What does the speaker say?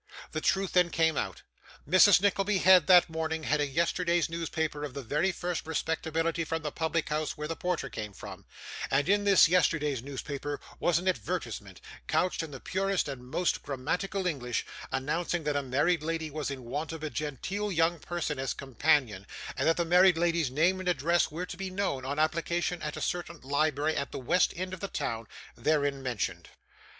The truth then came out. Mrs Nickleby had, that morning, had a yesterday's newspaper of the very first respectability from the public house where the porter came from; and in this yesterday's newspaper was an advertisement, couched in the purest and most grammatical English, announcing that a married lady was in want of a genteel young person as companion, and that the married lady's name and address were to be known, on application at a certain library at the west end of the town, therein mentioned.